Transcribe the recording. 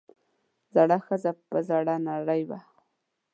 زړه ښځه پۀ زړۀ نرۍ وه ـ